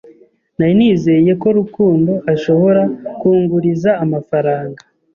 Nari nizeye ko Rukundo ashobora kunguriza amafaranga.